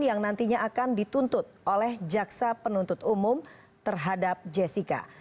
yang nantinya akan dituntut oleh jaksa penuntut umum terhadap jessica